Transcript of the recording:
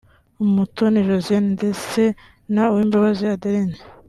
Umutoni Josiane ndetse na Uwimbabazi Adeline